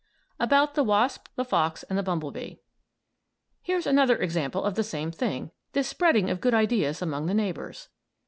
ABOUT THE WASP, THE FOX, AND THE BUMBLEBEE Here's another example of the same thing, this spreading of good ideas among the neighbors.